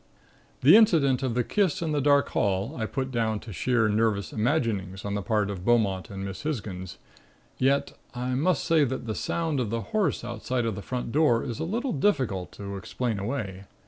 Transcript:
"The incident of the kiss in the dark hall I put down to sheer nervous imaginings on the part of Beaumont and Miss Hisgins, yet I must say that the sound of the horse outside of the front door is a little difficult to explain away.